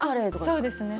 そうですね